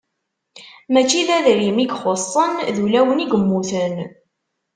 Mačči d adrim i ixuṣṣen, d ulawen i yemmuten.